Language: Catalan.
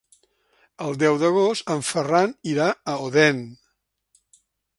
El deu d'agost en Ferran irà a Odèn.